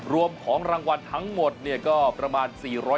รวมของรางวัลทั้งหมดเนี่ยก็ประมาณ